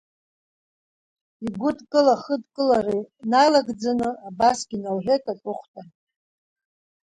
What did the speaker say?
Игәыдкыла-хыдкылара иналагӡаны абасгьы налҳәеит аҵыхәтәан.